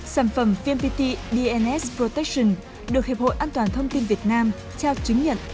sản phẩm vnpt dns protection được hiệp hội an toàn thông tin việt nam trao chứng nhận